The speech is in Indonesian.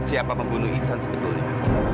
siapa pembunuh iksan sebetulnya